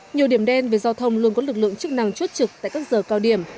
nhiều điểm đen về giao thông luôn có lực lượng chức năng chốt trực tại các giờ cao điểm